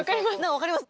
分かります？